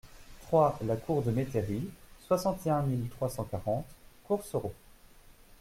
trois la Cour de la Métairie, soixante et un mille trois cent quarante Courcerault